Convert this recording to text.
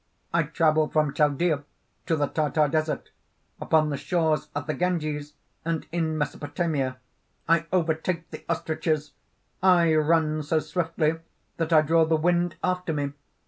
"I travel from Chaldea to the Tartar desert, upon the shores of the Ganges and in Mesopotamia. I overtake the ostriches. I run so swiftly that I draw the wind after me.